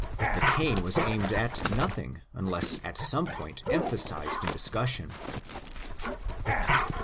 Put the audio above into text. The cane was aimed at nothing, unless at some point emphasized in discussion.